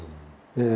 ええ。